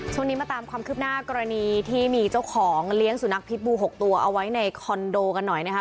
ช่วงนี้มาตามความคืบหน้ากรณีที่มีเจ้าของเลี้ยงสุนัขพิษบู๖ตัวเอาไว้ในคอนโดกันหน่อยนะคะ